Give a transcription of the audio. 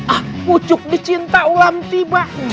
ah pucuk dicinta ulam tiba